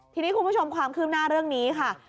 ทีนี้คุณผู้ชมความคืบหน้าเรื่องนี้ค่ะ